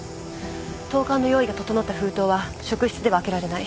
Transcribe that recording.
投函の用意が整った封筒は職質では開けられない。